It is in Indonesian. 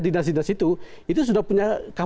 dinas dinas itu itu sudah punya